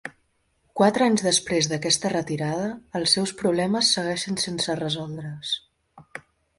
Quatre anys després d'aquesta retirada, els seus problemes segueixen sense resoldre's.